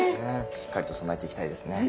しっかりと備えていきたいですね。